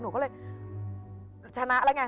หนูก็เลยชนะแล้วไง